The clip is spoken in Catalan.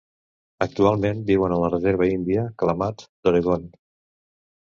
Actualment viuen a la Reserva índia Klamath d'Oregon.